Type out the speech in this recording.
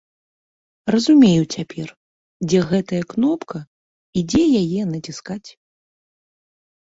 Разумею цяпер, дзе гэтая кнопка і дзе яе націскаць.